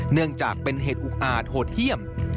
เนื่องจากเป็นเหตุอุกอาจโหดเยี่ยม